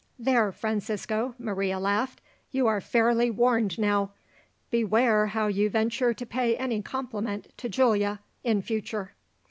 "There, Francisco," Maria laughed, "you are fairly warned now. Beware how you venture to pay any compliment to Giulia in future.